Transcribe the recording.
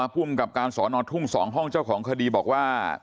ภูมิกับการสอนอทุ่ง๒ห้องเจ้าของคดีบอกว่า